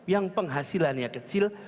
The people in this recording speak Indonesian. yang penghasilannya kecil